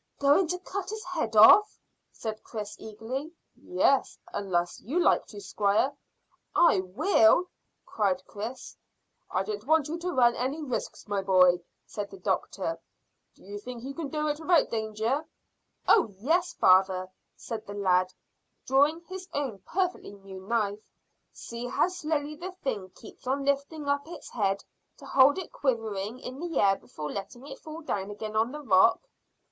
"Going to cut his head off?" said Chris eagerly. "Yes, unless you like to, squire." "I will," cried Chris. "I don't want you to run any risks, my boy," said the doctor. "Do you think you can do it without danger?" "Oh yes, father," said the lad, drawing his own perfectly new knife. "See how slowly the thing keeps on lifting up its head, to hold it quivering in the air before letting it fall down again on the rock."